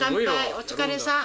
お疲れさん。